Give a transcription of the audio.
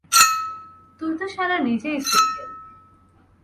তুই তো শালা নিজেই সিঙ্গেল।